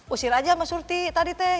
usir aja sama surti tadi teh